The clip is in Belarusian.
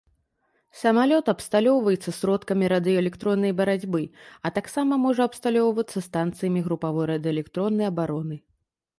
Самалёт абсталёўваецца сродкамі радыёэлектроннай барацьбы, а таксама можа абсталёўвацца станцыямі групавой радыёэлектроннай абароны.